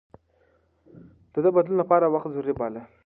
ده د بدلون لپاره وخت ضروري باله.